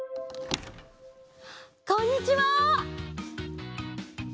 こんにちは！